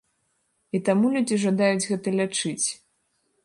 І таму людзі жадаюць гэта лячыць.